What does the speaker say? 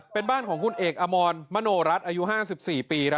เป็นบ้านของคุณเอกอมรมโนรัฐอายุ๕๔ปี